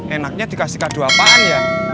enaknya dikasih kado apaan ya